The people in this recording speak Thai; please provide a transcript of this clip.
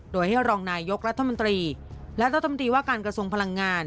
โดยให้รองนายยกรัฐมนตรีและรัฐมนตรีว่าการกระทรวงพลังงาน